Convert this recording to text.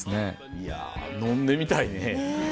いや飲んでみたいね。ねぇ。